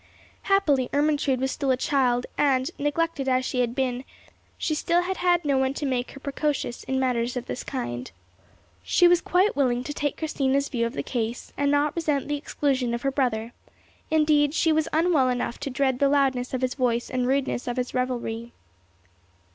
Happily Ermentrude was still a child, and, neglected as she had been, she still had had no one to make her precocious in matters of this kind. She was quite willing to take Christina's view of the case, and not resent the exclusion of her brother; indeed, she was unwell enough to dread the loudness of his voice and rudeness of his revelry.